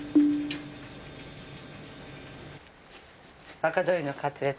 若鶏のカツレツ